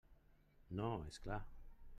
No, és clar.